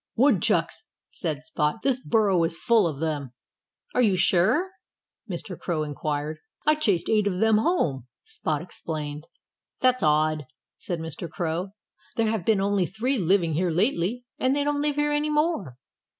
"Woodchucks!" said Spot. "This burrow is full of them." "Are you sure?" Mr. Crow inquired. "I chased eight of them home," Spot explained. "That's odd," said Mr. Crow. "There have been only three living here lately. And they don't live here any more."